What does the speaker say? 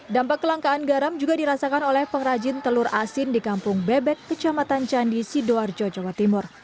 dampak kelangkaan garam juga dirasakan oleh pengrajin telur asin di kampung bebek kecamatan candi sidoarjo jawa timur